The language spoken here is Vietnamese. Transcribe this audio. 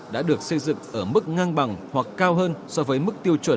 đã được xây dựng ở mức ngang bằng hoặc cao hơn so với mức tiêu chuẩn